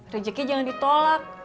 rezeki jangan ditolak